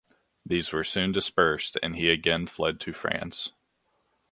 These were soon dispersed and he again fled to France.